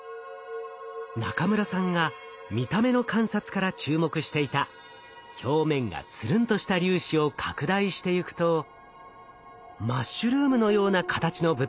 中村さんが見た目の観察から注目していた表面がつるんとした粒子を拡大していくとマッシュルームのような形の物体が。